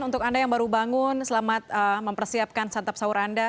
untuk anda yang baru bangun selamat mempersiapkan santap sahur anda